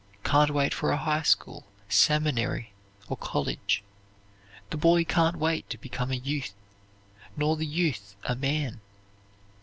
Can't wait for a high school, seminary, or college. The boy can't wait to become a youth, nor the youth a man.